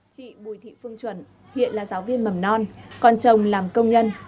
chị bùi thị phương chuẩn hiện là giáo viên mầm non còn chồng làm công nhân